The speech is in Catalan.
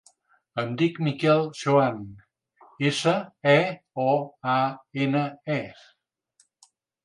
Em dic Miquel Seoane: essa, e, o, a, ena, e.